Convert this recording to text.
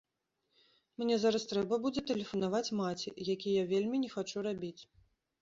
Мне зараз трэба будзе тэлефанаваць маці, які я вельмі не хачу рабіць.